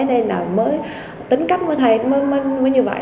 nên là mới tính cách của thầy mới như vậy